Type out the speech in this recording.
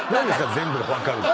「全部が分かる」って。